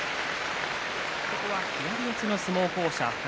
ここは左四つの相撲巧者宝